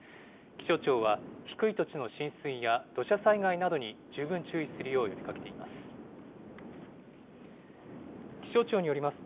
気象庁は、低い土地の浸水や土砂災害などに十分注意するよう呼びかけています。